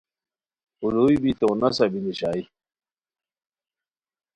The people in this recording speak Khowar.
الوئی بی تو نسہ بی نیشائے